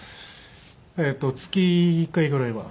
えっと月１回ぐらいは。